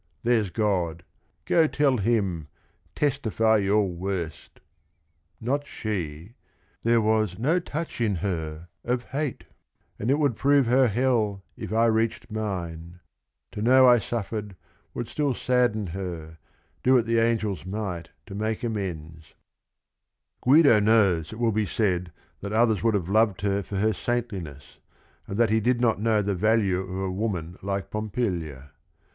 There 's God, go tell Him, testify your worst I Not she ! There was no touch in her of hate: And it would prove her hell, if I reached mine 1 To know I suffered, would still sadden her, Do what the angels might to make amends I " Guido knows it will be said that others would have loved her for her saintliness, and that he did not know the value of a woman like Pompilia.